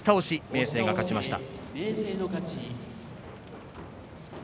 明生が勝ちました。